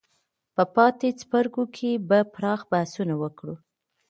په پاتې څپرکو کې به پراخ بحثونه وکړو.